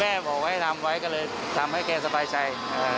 แม่บอกให้ทำไว้ก็เลยทำให้แกสบายใจ